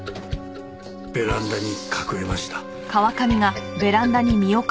ベランダに隠れました。